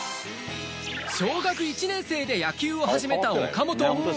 小学１年生で野球を始めた岡本。